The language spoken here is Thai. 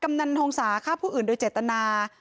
กำนัดดงงสาข้าพบุคอินโดยเจตนา